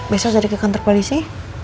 besok dari ke kantor polisi